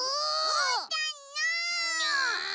うーたんの！